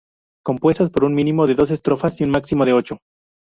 Compuestas por un mínimo de dos estrofas y un máximo de ocho.